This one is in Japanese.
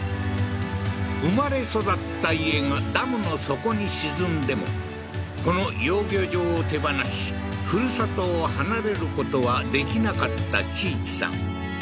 生まれ育った家がダムの底に沈んでもこの養魚場を手放し故郷を離れることはできなかった喜一さん